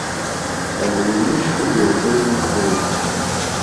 А ў гумнішчы было поўна збожжа.